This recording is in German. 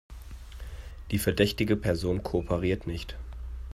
Die verdächtige Person kooperiert nicht.